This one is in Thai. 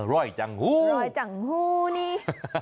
อร่อยจังหูอร่อยจังหูนี่